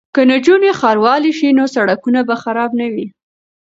که نجونې ښاروالې شي نو سړکونه به خراب نه وي.